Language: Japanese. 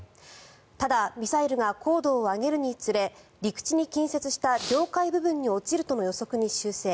ただミサイルが高度を上げるにつれ陸地に近接した領海部分に落ちるとの予測に修正。